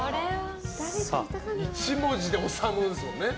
１文字で理ですもんね。